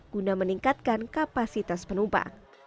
guna meningkatkan kapasitas penumpang